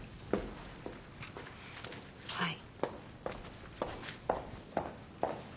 はい。